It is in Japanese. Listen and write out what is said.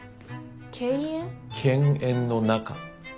犬猿の仲。